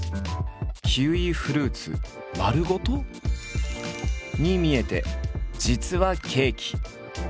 キウイフルーツ丸ごと？に見えて実はケーキ！